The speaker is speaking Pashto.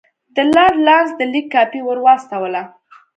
د لارډ لارنس د لیک کاپي ورواستوله.